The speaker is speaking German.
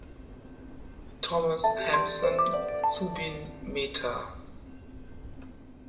Thomas Hampson, Zubin Mehta.